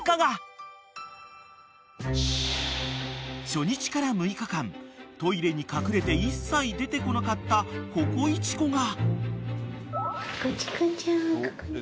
［初日から６日間トイレに隠れて一切出てこなかったココイチ子が］